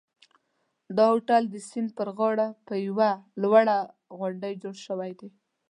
دا هوټل د سیند پر غاړه په یوه لوړه غونډۍ جوړ شوی دی.